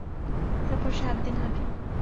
তারপর সাতদিন হাঁটল।